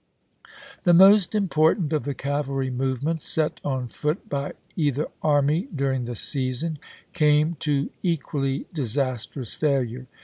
The most important of the cavalry movements set on foot by either army during the season came THE M ^ECH TO CHATTAXOOGA 51 to equally disastrous failure.